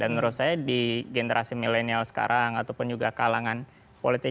dan menurut saya di generasi milenial sekarang ataupun juga kalangan polisi